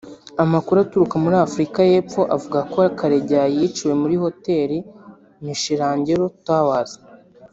Amakuru aturuka muri Afurika y’Epfo avuga ko Karegeya yiciwe muri Hoteli Michelangelo Towers